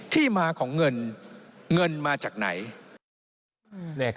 ที่มาของเงินเงินมาจากไหน